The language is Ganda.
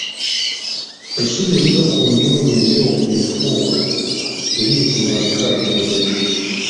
Essubi eriva ku nju ng'empewo efuuwa teriyitibwa nkaajumbe.